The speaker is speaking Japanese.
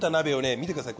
見てください。